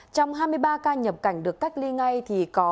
trong hai mươi ba ca nhập cảnh được cách ly ngay thì có